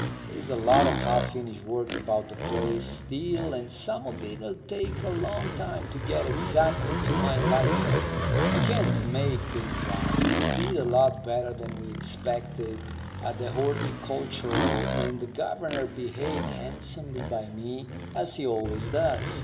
There's a lot of half finished work about the place still and some of it'll take a long time to get exactly to my liking. I can't make things out. We did a lot better than we expected at the Horticultural, and the governor behaved handsomely by me, as he always does.